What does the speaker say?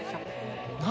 何？